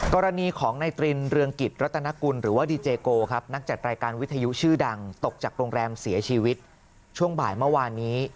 กรณีของในตรินเรืองกิจรัตนกุลหรือว่าดีเจโกครับนักจัดรายการวิทยุชื่อดังตกจากโรงแรมเสียชีวิตช่วงบ่ายเมื่อวานนี้